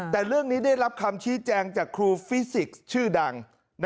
แต่เรื่องนี้ได้รับคำชี้แจงจากครูฟิสิกส์ชื่อดัง